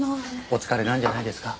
お疲れなんじゃないですか？